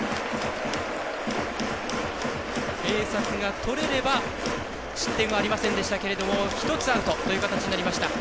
併殺がとれれば失点はありませんでしたが１つアウトという形になりました。